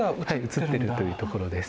映ってるというところです。